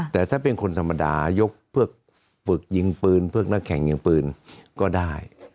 แต่ถ้าเป็นคนธรรมดายกพวกฝึกยิงปืนพวกนักแข่งยิงปืนก็ได้